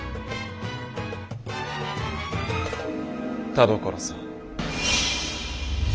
田所さん。